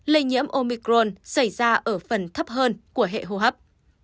lây nhiễm omicron xảy ra ở phần thấp hơn của hệ hô hấp